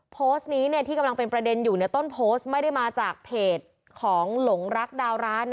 โพสต์นี้ที่กำลังเป็นประเด็นอยู่ในต้นโพสต์ไม่ได้มาจากเพจของหลงรักดาวร้านนะ